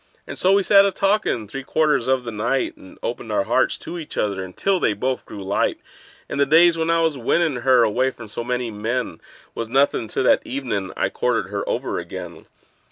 And so we sat a talkin' three quarters of the night, And opened our hearts to each other until they both grew light; And the days when I was winnin' her away from so many men Was nothin' to that evenin' I courted her over again.